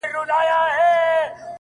زه به د خال او خط خبري كوم،